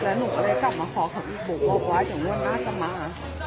แล้วหนูก็เลยกลับมาขอบอกว่าเดี๋ยวเรื่องน่าจะมา